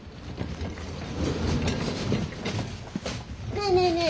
ねえねえねえ。